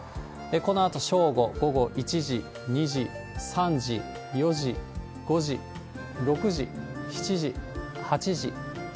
このあと正午、午後１時、２時、３時、４時、５時、６時、７時、８時、９時。